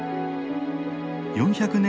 ４００年